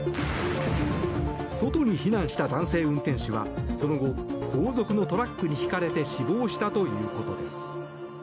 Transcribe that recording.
外に避難した男性運転手はその後、後続のトラックにひかれて死亡したということです。